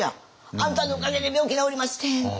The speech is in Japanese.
あんたのおかげで病気治りましてんって。